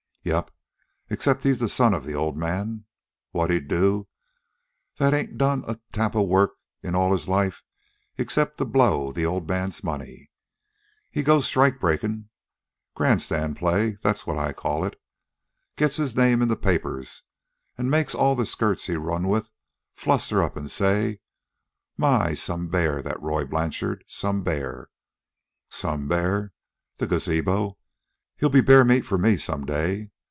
"Yep; except he's the son of the old man. What's he do, that ain't done a tap of work in all his life except to blow the old man's money? He goes strike breakin'. Grandstand play, that's what I call it. Gets his name in the papers an makes all the skirts he runs with fluster up an' say: 'My! Some bear, that Roy Blanchard, some bear.' Some bear the gazabo! He'll be bear meat for me some day.